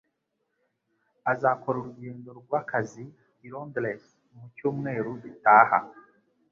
Azakora urugendo rwakazi i Londres mu cyumweru gitaha.